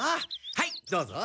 はいどうぞ。